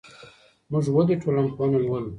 موږ ولي ټولنپوهنه لولو؟